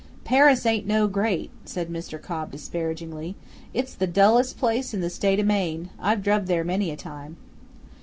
"Paris ain't no great," said Mr. Cobb disparagingly. "It's the dullest place in the State o' Maine. I've druv there many a time."